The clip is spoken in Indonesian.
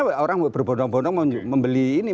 iya misalnya orang berbondong bondong membeli ini